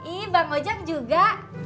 iya bang ojak juga